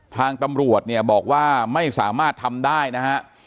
ทางตำรวจเนี่ยบอกว่าไม่สามารถทำได้นะฮะ